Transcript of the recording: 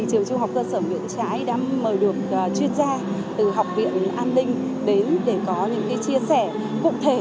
trường trung học cơ sở nguyễn trãi đã mời được chuyên gia từ học viện an ninh đến để có những chia sẻ cụ thể